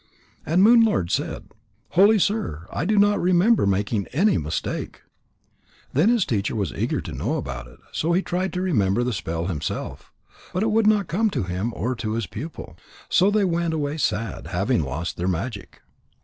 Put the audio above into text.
And Moon lord said: "Holy sir, I do not remember making any mistake." Then his teacher was eager to know about it, so he tried to remember the spell himself. But it would not come to him or to his pupil. So they went away sad, having lost their magic.